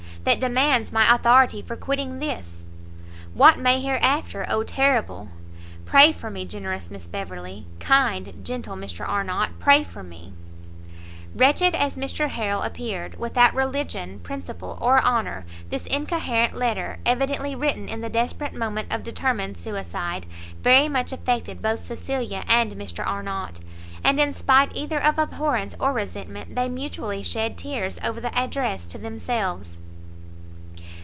that demands my authority for quitting this! what may hereafter O terrible! Pray for me, generous Miss Beverley! kind, gentle Mr Arnott, pray for me! Wretch as Mr Harrel appeared, without religion, principle, or honour, this incoherent letter, evidently written in the desperate moment of determined suicide, very much affected both Cecilia and Mr Arnott, and in spite either of abhorrence or resentment, they mutually shed tears over the address to themselves.